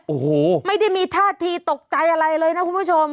โอ้โหไม่ได้มีท่าทีตกใจอะไรเลยนะคุณผู้ชม